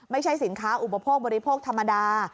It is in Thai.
ไม่ใช่สินค้าอุปโภคบริโภคธรรมดา